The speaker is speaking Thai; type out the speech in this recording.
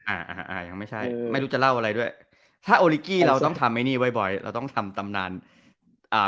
อ่าอ่าอ่าอ่ายังไม่ใช่ไม่รู้จะเล่าอะไรด้วยถ้าโอลิกี้เราต้องทำไอ้นี่บ่อยบ่อยเราต้องทำตำนานอ่า